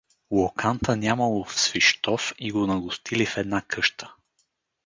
Локанта нямало в Свищов и го нагостили в една къща.